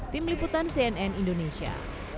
tim liputan cnn indonesia